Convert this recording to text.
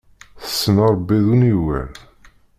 Tessen arebbi d uniwel.